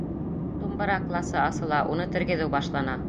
Думбыра класы асыла, уны тергеҙеү башлана.